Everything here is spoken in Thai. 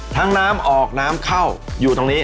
น้ำออกน้ำเข้าอยู่ตรงนี้